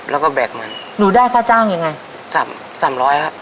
แล้วก็แบกเงินหนูได้ค่าจ้างยังไงสามสามร้อยครับ